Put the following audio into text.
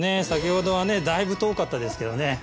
先ほどはねだいぶ遠かったですけどね。